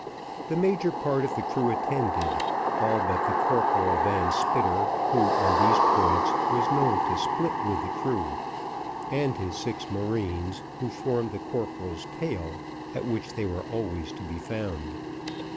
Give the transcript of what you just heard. The major part of the crew attended; all but the Corporal Van Spitter, who, on these points, was known to split with the crew, and his six marines, who formed the corporal's tail, at which they were always to be found.